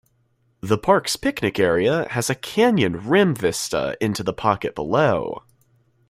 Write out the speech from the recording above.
The park's picnic area has a canyon rim vista into the pocket below.